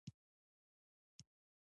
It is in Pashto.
ساتنه خو به کوي.